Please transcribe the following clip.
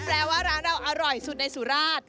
แปลว่าร้านเราอร่อยสุดในสุราช